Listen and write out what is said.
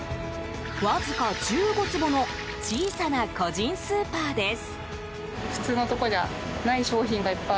わずか１５坪の小さな個人スーパーです。